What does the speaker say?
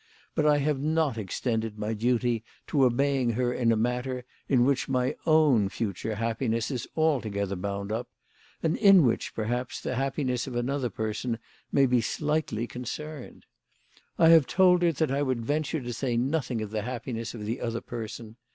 But I have not extended my duty to obeying her in a matter in which mv own future happiness is altogether bound up ; and in which, perhaps, the happiness of another person may be slightly concerned. I have told her that I would venture to say nothing of the happiness of the other person.